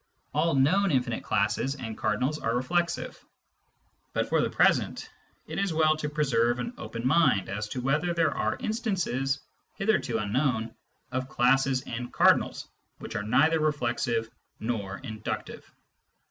All known infinite classes and cardinals are reflexive ; but for the present it is well to preserve an open mind as to whether there are instances, hitherto unknown, of classes and cardinals which are neither reflexive nor inductive.